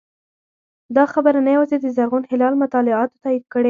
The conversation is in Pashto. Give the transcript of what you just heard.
دا خبره نه یوازې د زرغون هلال مطالعاتو تایید کړې